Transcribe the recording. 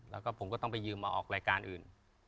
แล้วก็ผมก็ต้องไปยืมมาออกรายการอื่น